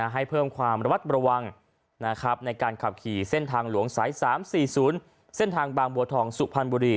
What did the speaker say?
ให้เพิ่มความระมัดระวังในการขับขี่เส้นทางหลวงสาย๓๔๐เส้นทางบางบัวทองสุพรรณบุรี